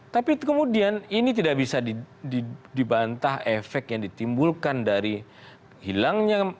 tapi kemudian ini tidak bisa dibantah efek yang ditimbulkan dari hilangnya